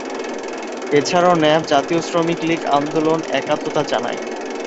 এছাড়া ন্যাপ, জাতীয় শ্রমিক লীগ আন্দোলনে একাত্মতা জানায়।